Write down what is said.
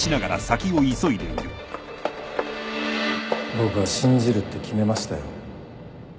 僕は信じるって決めましたよ